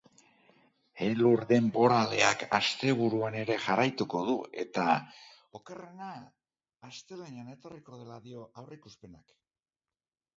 Elur denboraleak asteburuan ere jarraituko du eta okerrena astelehenean etorriko dela dio aurreikuspenak.